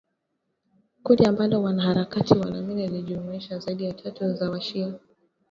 kundi ambalo wanaharakati wanaamini lilijumuisha zaidi ya tatu za washia